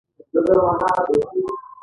ملک صاحب کله دې، کله هغه ته کنځل کوي.